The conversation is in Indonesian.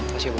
kasih ya boy